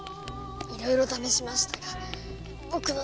いろいろ試しましたが僕の力では。